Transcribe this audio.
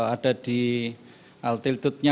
ada di altiltutnya